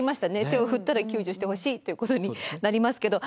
手を振ったら救助してほしいということになりますけど。